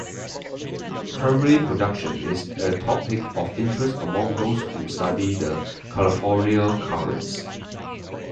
Primary production is a topic of interest among those who study the California Current.